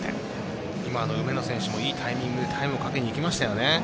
今の梅野選手もいいタイミングでタイムをかけにいきましたよね。